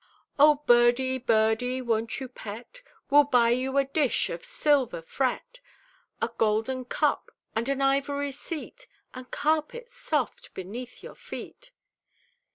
"O Birdie, Birdie, won't you pet? We'll buy you a dish of silver fret, A golden cup and an ivory seat, And carpets soft beneath your feet!"